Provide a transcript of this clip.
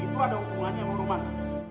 itu ada hubungannya sama rumana